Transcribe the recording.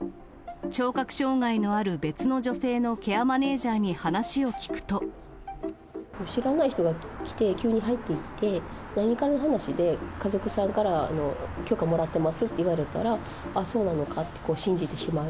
聴覚障がいのある別の女性のケア知らない人が来て、急に入ってきて、何かの話で、家族さんから許可もらってますといわれたら、ああそうなのかって、信じてしまう。